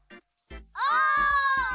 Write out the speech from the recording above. お！